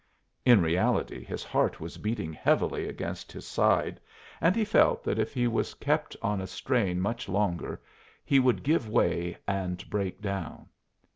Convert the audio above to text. In reality his heart was beating heavily against his side, and he felt that if he was kept on a strain much longer he would give way and break down.